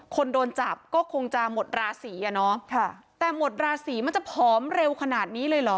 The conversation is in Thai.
คนโดนจับก็คงจะหมดราศีอ่ะเนาะแต่หมดราศีมันจะผอมเร็วขนาดนี้เลยเหรอ